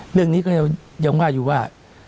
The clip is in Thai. เรื่องนี้ก็ยังว่าอยู่ว่า